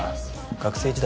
学生時代